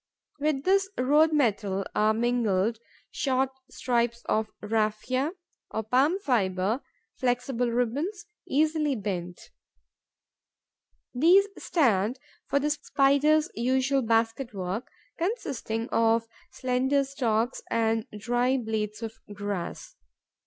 With this road metal are mingled short strips of raphia, or palm fibre, flexible ribbons, easily bent. These stand for the Spider's usual basket work, consisting of slender stalks and dry blades of grass.